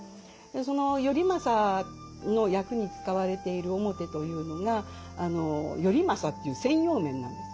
その頼政の役に使われている面というのが頼政という専用面なんです。